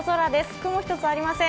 雲一つありません。